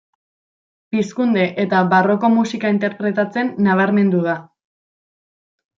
Pizkunde eta Barroko musika interpretatzen nabarmendu da.